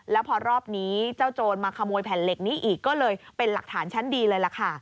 แล้วพอรอบนี้เจ้าโจรมาขโมยแผ่นเหล็กนี้อีกก็เลยเป็นหลักฐานชั้นดีเลยล่ะค่ะ